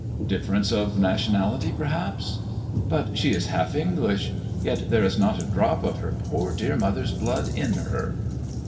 " Difference of nationality, perhaps." " But she is half English. Yet there is not a drop of her poor dear mother's blood in her."